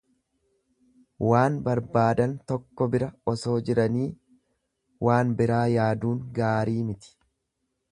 Waan barbaadan tokko bira osoo jiranii waan biraa yaaduun gaarii miti.